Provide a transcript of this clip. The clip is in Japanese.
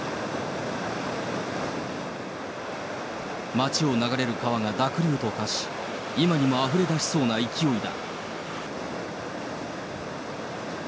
町を流れる川が濁流と化し、今にもあふれ出しそうな勢いだ。